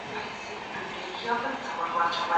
حق ته ودرېدل د ایمان قوت غواړي.